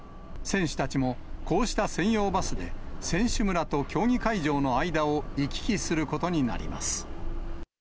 選手たちも、こうした専用バスで選手村と競技会場の間を行き来することになります。